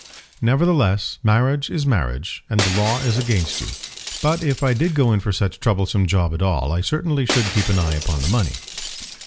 "Nevertheless, marriage is marriage, and the law is against you. But if I did go in for such a troublesome job at all, I certainly should keep an eye upon the money."